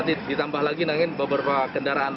nanti ditambah lagi nangin beberapa kendaraan lainnya